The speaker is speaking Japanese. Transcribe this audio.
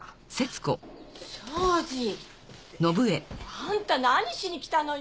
あんた何しに来たのよ！？